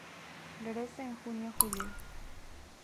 Florece en junio-julio.